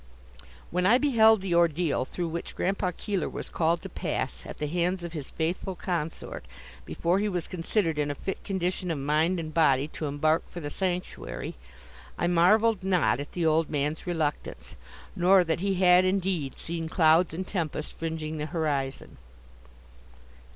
When I beheld the ordeal through which Grandpa Keeler was called to pass, at the hands of his faithful consort, before he was considered in a fit condition of mind and body to embark for the sanctuary, I marveled not at the old man's reluctance, nor that he had indeed seen clouds and tempest fringing the horizon.